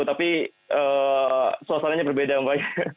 tapi suasananya berbeda mbak